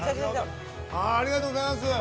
ありがとうございます！